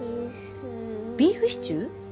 ビーフシチュー？